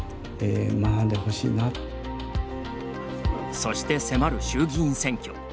そして、迫る衆議院選挙。